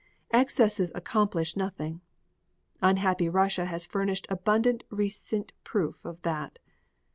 Excesses accomplish nothing. Unhappy Russia has furnished abundant recent proof of that.